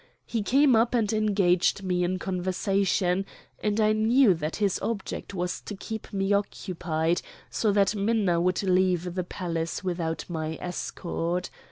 He came up and engaged me in conversation, and I knew that his object was to keep me occupied so that Minna would leave the palace without my escort.